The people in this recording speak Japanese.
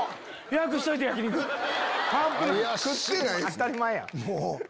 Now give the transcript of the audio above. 当たり前やん。